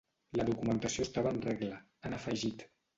La documentació estava en regla, han afegit.